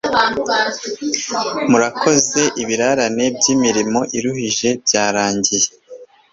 murakoze, ibirarane byimirimo iruhije byarangiye